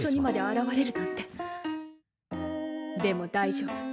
でも大丈夫。